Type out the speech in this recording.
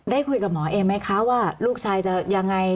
ได้คุยกับหมอเอมไหมคะว่าลูกชายจะยังไง